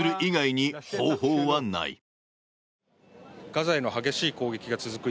ガザへの激しい攻撃が続く